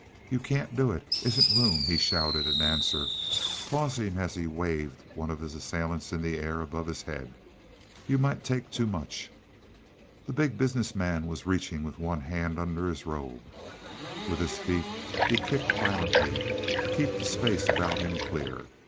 "You can't do it isn't room," he shouted in answer, pausing as he waved one of his assailants in the air above his head. "You might take too much." The Big Business Man was reaching with one hand under his robe. With his feet he kicked violently to keep the space about him clear.